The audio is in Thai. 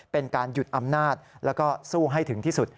เป็นการหยุดอำนาจแล้วก็สู้ให้ถึงที่สุด